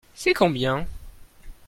C'est combien ?